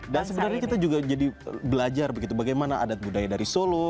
dan sebenarnya kita juga jadi belajar begitu bagaimana adat budaya dari solo